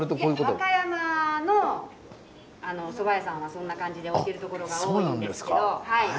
いや和歌山のそば屋さんはそんな感じで置いてるところが多いんですけど。